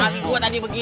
masih gue tadi begitu